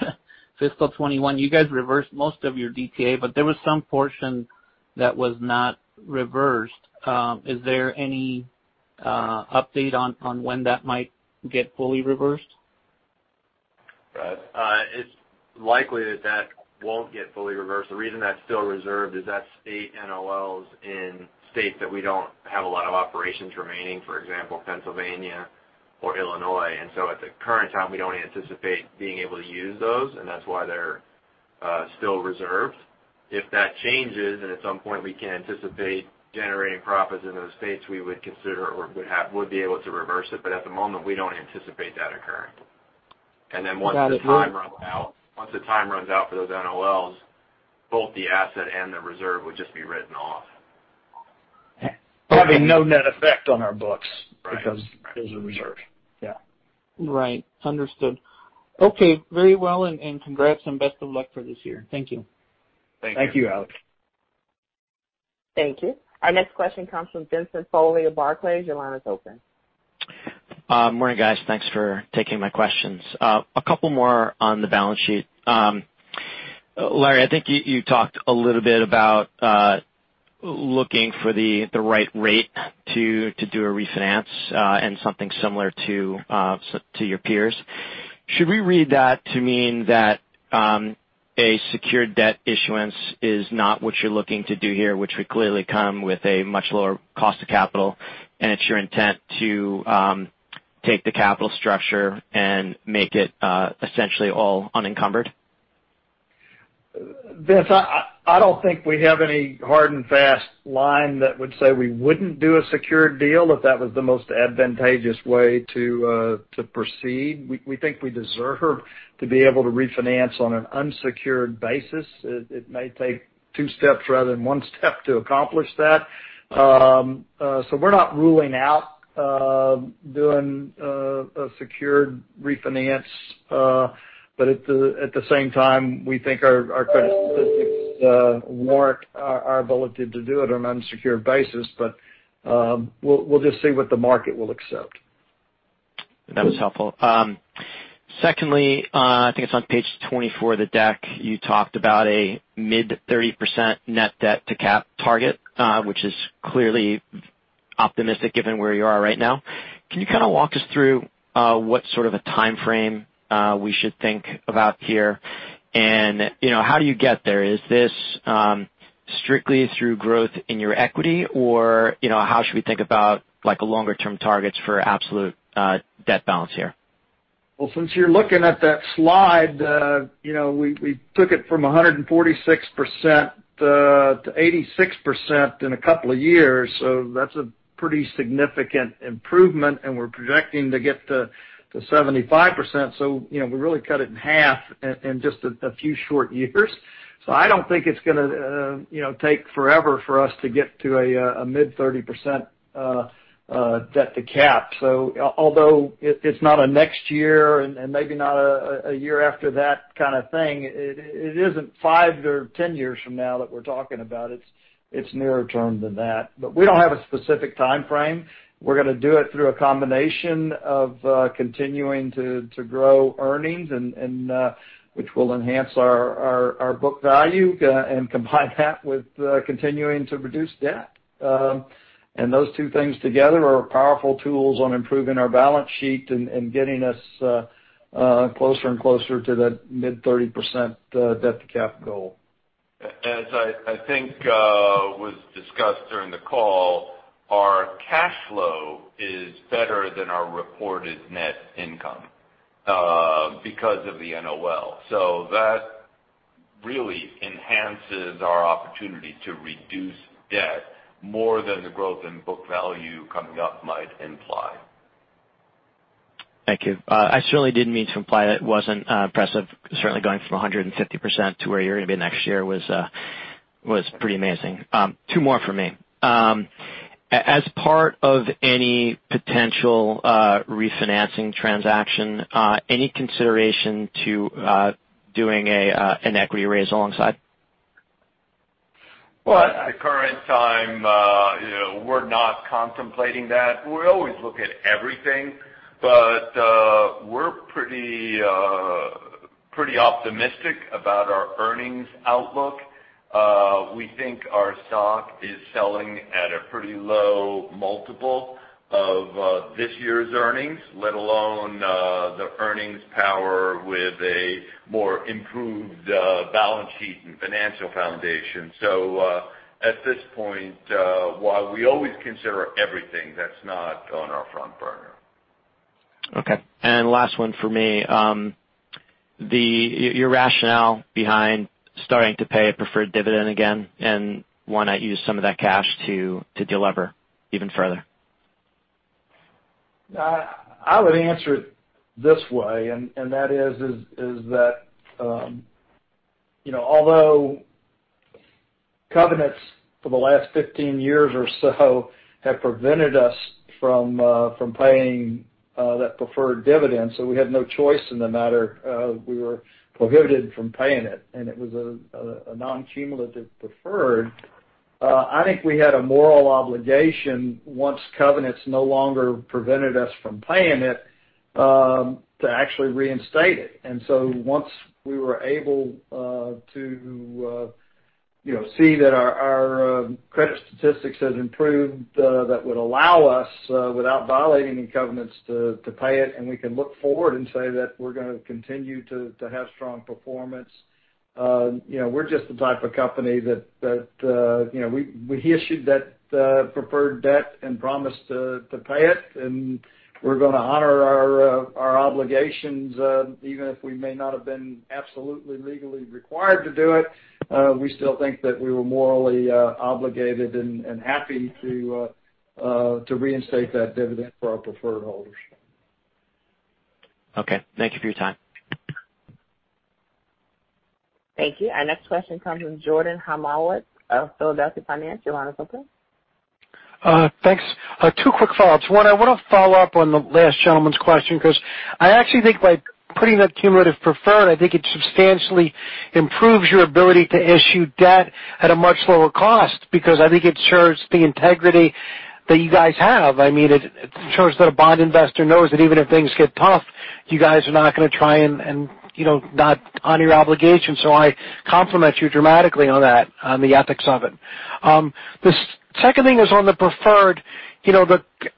fiscal 2021, you guys reversed most of your DTA, but there was some portion that was not reversed. Is there any update on when that might get fully reversed? Brad? It's likely that that won't get fully reversed. The reason that's still reserved is that state NOLs in states that we don't have a lot of operations remaining. For example, Pennsylvania or Illinois. At the current time, we don't anticipate being able to use those, and that's why they're still reserved. If that changes, and at some point we can anticipate generating profits in those states, we would be able to reverse it. At the moment, we don't anticipate that occurring. Got it. Once the time runs out for those NOLs, both the asset and the reserve would just be written off. Having no net effect on our books. Right. -because those are reserved. Yeah. Right. Understood. Okay. Very well. Congrats and best of luck for this year. Thank you. Thank you. Thank you, Alex. Thank you. Our next question comes from Vincent Foley of Barclays. Your line is open. Morning, guys. Thanks for taking my questions. A couple more on the balance sheet. Larry, I think you talked a little bit about looking for the right rate to do a refinance and something similar to your peers. Should we read that to mean that a secured debt issuance is not what you're looking to do here, which would clearly come with a much lower cost of capital, and it's your intent to take the capital structure and make it essentially all unencumbered? Vincent, I don't think we have any hard and fast line that would say we wouldn't do a secured deal if that was the most advantageous way to proceed. We think we deserve to be able to refinance on an unsecured basis. It may take two steps rather than one step to accomplish that. We're not ruling out doing a secured refinance, but at the same time, we think our credit statistics warrant our ability to do it on an unsecured basis. We'll just see what the market will accept. That was helpful. Secondly, I think it's on page 24 of the deck, you talked about a mid-30% net debt to cap target, which is clearly optimistic given where you are right now. Can you kind of walk us through what sort of a timeframe we should think about here? You know, how do you get there? Is this strictly through growth in your equity? You know, how should we think about like a longer-term targets for absolute debt balance here? Well, since you're looking at that slide, you know, we took it from 146% to 86% in a couple of years. That's a pretty significant improvement, and we're projecting to get to 75%. You know, we really cut it in half in just a few short years. I don't think it's gonna take forever for us to get to a mid-30% debt-to-cap. Although it's not next year and maybe not a year after that kind of thing, it isn't five or 10 years from now that we're talking about it. It's nearer term than that. We don't have a specific timeframe. We're gonna do it through a combination of continuing to grow earnings and which will enhance our book value and combine that with continuing to reduce debt. Those two things together are powerful tools on improving our balance sheet and getting us closer and closer to that mid-30% debt to cap goal. As I think was discussed during the call, our cash flow is better than our reported net income because of the NOL. That really enhances our opportunity to reduce debt more than the growth in book value coming up might imply. Thank you. I certainly didn't mean to imply that it wasn't impressive. Certainly going from 150% to where you're gonna be next year was pretty amazing. Two more for me. As part of any potential refinancing transaction, any consideration to doing an equity raise alongside? Well, at the current time, you know, we're not contemplating that. We always look at everything, but we're pretty optimistic about our earnings outlook. We think our stock is selling at a pretty low multiple of this year's earnings, let alone the earnings power with a more improved balance sheet and financial foundation. At this point, while we always consider everything, that's not on our front burner. Okay. Last one for me. Your rationale behind starting to pay a preferred dividend again, and why not use some of that cash to deleverage even further? I would answer it this way, and that is that you know, although covenants for the last 15 years or so have prevented us from paying that preferred dividend, so we had no choice in the matter, we were prohibited from paying it, and it was a non-cumulative preferred. I think we had a moral obligation, once covenants no longer prevented us from paying it, to actually reinstate it. Once we were able to you know see that our credit statistics had improved, that would allow us without violating any covenants to pay it, and we can look forward and say that we're gonna continue to have strong performance. You know, we're just the type of company that you know, we issued that preferred debt and promised to pay it, and we're gonna honor our obligations even if we may not have been absolutely legally required to do it. We still think that we were morally obligated and happy to reinstate that dividend for our preferred holders. Okay. Thank you for your time. Thank you. Our next question comes from Jordan Hymowitz of Philadelphia Financial. Your line is open. Thanks. Two quick follow-ups. One, I wanna follow up on the last gentleman's question, 'cause I actually think by putting that cumulative preferred, I think it substantially improves your ability to issue debt at a much lower cost, because I think it ensures the integrity that you guys have. I mean, it ensures that a bond investor knows that even if things get tough, you guys are not gonna try and you know, not honor your obligation. So I compliment you dramatically on that, on the ethics of it. The second thing is on the preferred. You know,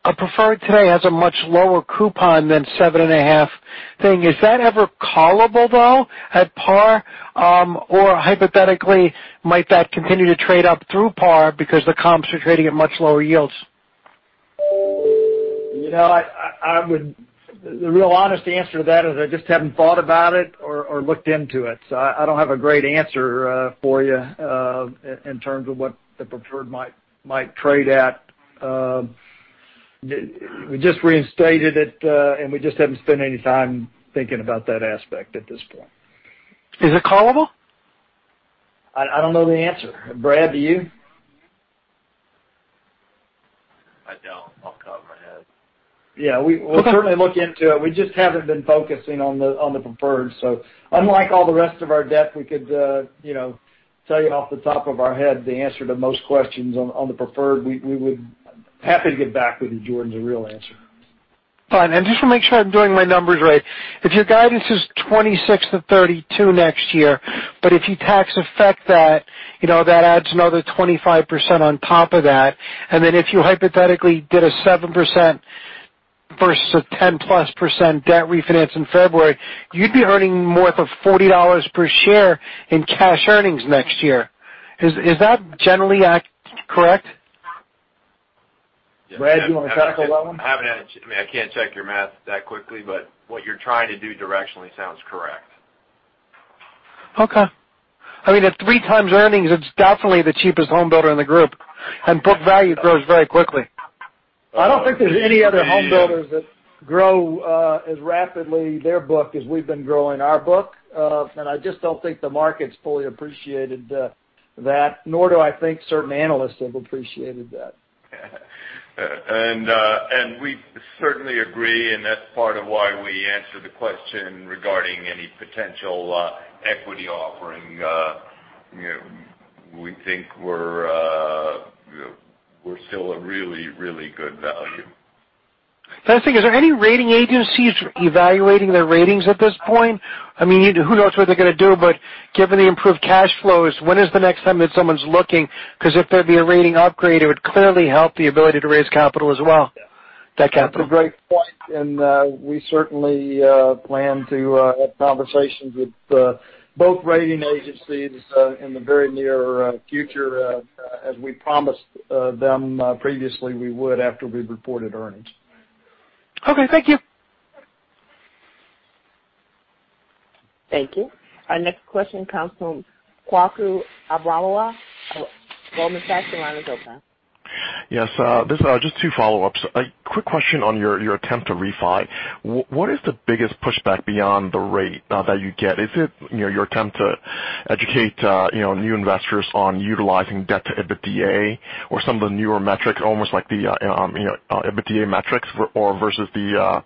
a preferred today has a much lower coupon than 7.5%. Is that ever callable though at par? Or hypothetically, might that continue to trade up through par because the comps are trading at much lower yields? You know, the real honest answer to that is I just haven't thought about it or looked into it. So I don't have a great answer for you in terms of what the preferred might trade at. We just reinstated it, and we just haven't spent any time thinking about that aspect at this point. Is it callable? I don't know the answer. Brad, do you? I don't know off the top of my head. Yeah. We'll certainly look into it. We just haven't been focusing on the preferred. Unlike all the rest of our debt, we could tell you off the top of our head the answer to most questions on the preferred. We would be happy to get back with you, Jordan, the real answer. Fine. Just to make sure I'm doing my numbers right, if your guidance is $26-$32 next year, but if you tax effect that, you know, that adds another 25% on top of that. Then if you hypothetically did a 7% versus a 10%+ debt refinance in February, you'd be earning more for $40 per share in cash earnings next year. Is that generally accurate? Brad, do you wanna tackle that one? I mean, I can't check your math that quickly, but what you're trying to do directionally sounds correct. Okay. I mean, at 3x earnings, it's definitely the cheapest home builder in the group, and book value grows very quickly. I don't think there's any other home builders that grow as rapidly their book as we've been growing our book. I just don't think the market's fully appreciated that, nor do I think certain analysts have appreciated that. We certainly agree, and that's part of why we answered the question regarding any potential equity offering. You know, we think we're still a really good value. Last thing. Is there any rating agencies evaluating their ratings at this point? I mean, who knows what they're gonna do, but given the improved cash flows, when is the next time that someone's looking? Because if there'd be a rating upgrade, it would clearly help the ability to raise capital as well. That's a great point, and we certainly plan to have conversations with both rating agencies in the very near future, as we promised them previously we would after we reported earnings. Okay. Thank you. Thank you. Our next question comes from Kwaku Abrokwah of Goldman Sachs. Your line is open. Yes, this is just two follow-ups. A quick question on your attempt to refi. What is the biggest pushback beyond the rate that you get? Is it, you know, your attempt to educate, you know, new investors on utilizing debt to EBITDA or some of the newer metrics, almost like the, you know, EBITDA metrics versus the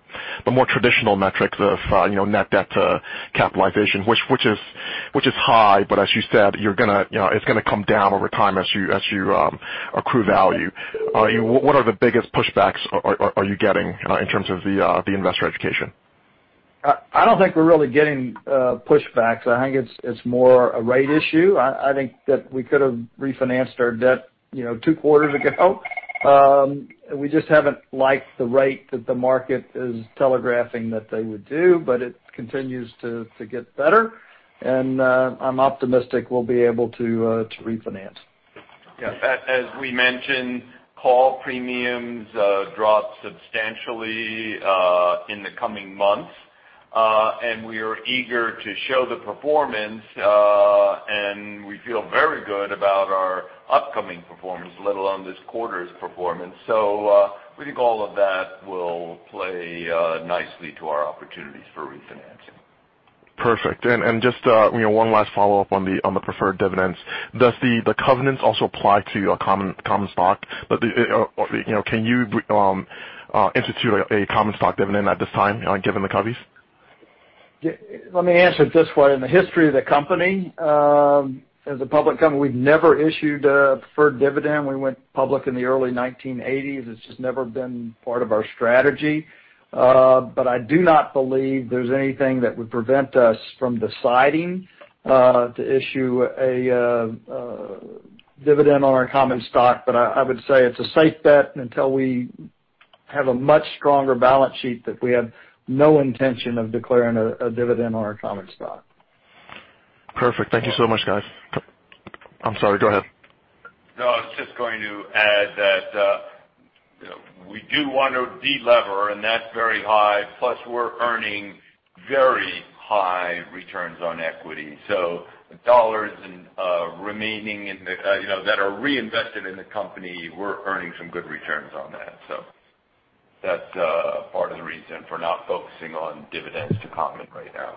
more traditional metrics of, you know, net debt to capitalization? Which is high, but as you said, you're gonna. You know, it's gonna come down over time as you accrue value. You know, what are the biggest pushbacks you are getting in terms of the investor education? I don't think we're really getting pushbacks. I think it's more a rate issue. I think that we could've refinanced our debt, you know, two quarters ago. We just haven't liked the rate that the market is telegraphing that they would do, but it continues to get better. I'm optimistic we'll be able to refinance. Yeah. As we mentioned, call premiums drop substantially in the coming months. We are eager to show the performance, and we feel very good about our upcoming performance, let alone this quarter's performance. We think all of that will play nicely to our opportunities for refinancing. Perfect. Just, you know, one last follow-up on the preferred dividends. Does the covenants also apply to your common stock? You know, can you institute a common stock dividend at this time, given the covenants? Yeah. Let me answer it this way. In the history of the company, as a public company, we've never issued a preferred dividend. We went public in the early 1980s. It's just never been part of our strategy. I do not believe there's anything that would prevent us from deciding to issue a dividend on our common stock. I would say it's a safe bet until we have a much stronger balance sheet, that we have no intention of declaring a dividend on our common stock. Perfect. Thank you so much, guys. I'm sorry, go ahead. No, I was just going to add that, you know, we do want to deliver, and that's very high, plus we're earning very high returns on equity. Dollars remaining in the company, you know, that are reinvested in the company, we're earning some good returns on that. That's part of the reason for not focusing on dividends to common right now.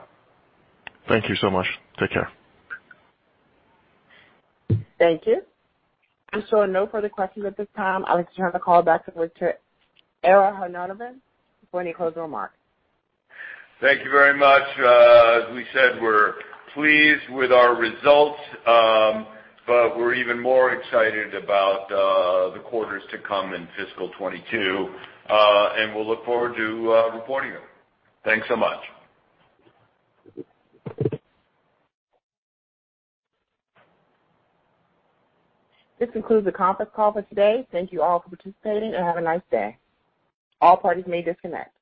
Thank you so much. Take care. Thank you. I'm showing no further questions at this time. I would like to turn the call back over to Ara Hovnanian for any closing remarks. Thank you very much. As we said, we're pleased with our results, but we're even more excited about the quarters to come in fiscal 2022, and we'll look forward to reporting them. Thanks so much. This concludes the conference call for today. Thank you all for participating, and have a nice day. All parties may disconnect.